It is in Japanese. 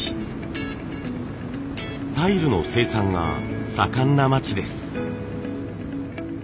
タイルの生産が盛んな町です。